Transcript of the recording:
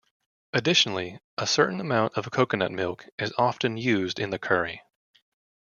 Additionally, a certain amount of coconut milk is often used in the curry.